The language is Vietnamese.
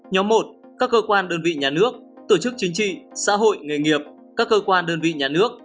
nhóm một các cơ quan đơn vị nhà nước tổ chức chính trị xã hội nghề nghiệp các cơ quan đơn vị nhà nước